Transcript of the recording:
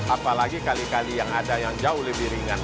apalagi kali kali yang ada yang jauh lebih ringan